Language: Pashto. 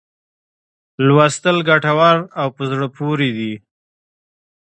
لوستل ګټور او په زړه پوري دي.